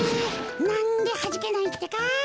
なんではじけないってか？